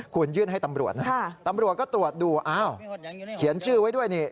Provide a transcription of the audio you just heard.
คุณยื่นให้ตำรวจนะตำรวจก็ตรวจดูอ้าวเขียนชื่อไว้ด้วยนี่